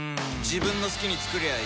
自分の好きに作りゃいい